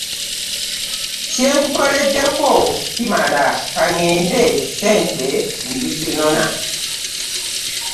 Kye nkukoleddeko kimala ka ŋŋende ssente ndizinona.